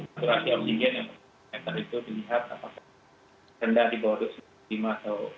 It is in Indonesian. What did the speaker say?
saturasi oksigen yang terlihat rendah di bawah lima atau lima